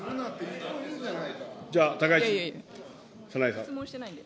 じゃあ、高市早苗さん。